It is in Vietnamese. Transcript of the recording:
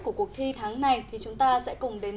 của cuộc thi tháng này thì chúng ta sẽ cùng đến